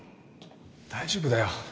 大丈夫だよ。